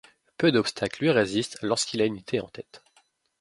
Peu d'obstacles lui résistent lorsqu'il a une idée en tête.